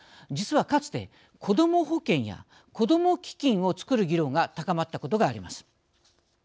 実はかつてこども保険やこども基金を作る議論が高まったことがあります。